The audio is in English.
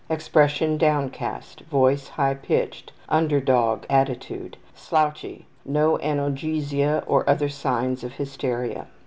Expression downcast. Voice high pitched. ``Under dog'' attitude. Slouchy. No analgesia or other signs of hysteria.